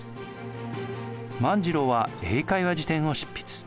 万次郎は英会話事典を執筆。